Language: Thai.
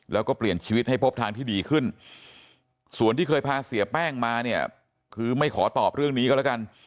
แล้วก็เปลี่ยนชีวิตให้พบทางที่ดีขึ้นส่วนที่เคยพาเสียแป้งมาเนี่ยคือไม่ขอตอบเรื่องนี้ก็แล้วกัน